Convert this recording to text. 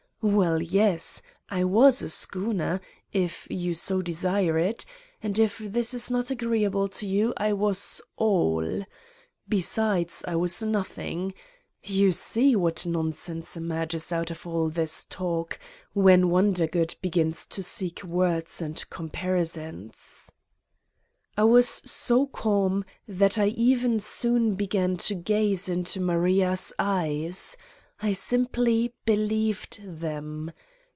Well, yes, I was a schooner, if you so desire it, and if this is not agreeable to you I was All. Besides I was Nothing. You see what nonsense emerges out of all this talk when Wondergood begins to seek words and compari sons. I was so calm that I even soon began to gaze into Maria's eyes : I simply believed them.